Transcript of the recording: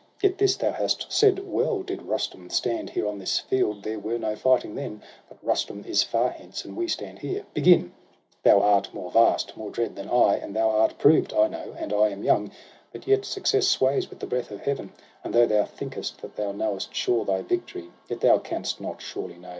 Yet this thou hast said well, did Rustum stand Here on this field, there were no fighting then. But Rustum is far hence, and we stand here. Begin ! thou art more vast, more dread than I, And thou art proved, I know, and I am young — H 2 loo SOHRAB AND RUSTUM. But yet success sways with the breath of Heaven. And though thou thinkest that thou knowest sure Thy victory, yet thou canst not surely know.